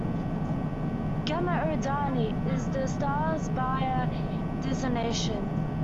"Gamma Eridani" is the star's Bayer designation.